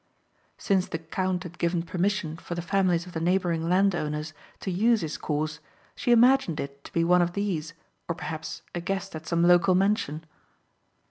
Since the count had given permission for the families of the neighbouring landowners to use his course she imagined it to be one of these or perhaps a guest at some local mansion.